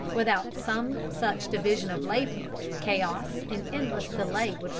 Without some such division of labor, chaos and endless delay would result.